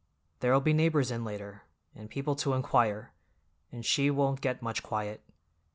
There'll be neighbors in later, and people to inquire, and she won't get much quiet.